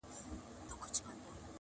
دی هم بل غوندي اخته په دې بلا سو٫